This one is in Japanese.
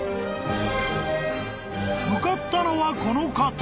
［向かったのはこの方］